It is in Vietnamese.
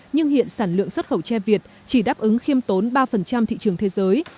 nhưng hiện sản lượng xuất khẩu tre việt chỉ đáp ứng khiêm tốn ba thị trường thế giới